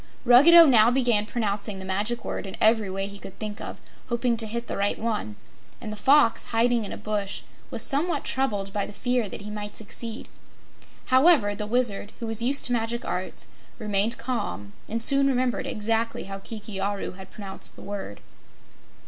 Ruggedo now began pronouncing the Magic Word in every way he could think of, hoping to hit the right one, and the Fox, hiding in a bush, was somewhat troubled by the fear that he might succeed. However, the Wizard, who was used to magic arts, remained calm and soon remembered exactly how Kiki Aru had pronounced the word.